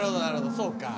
そうか。